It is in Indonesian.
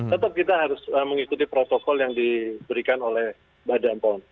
tetap kita harus mengikuti protokol yang diberikan oleh badan pom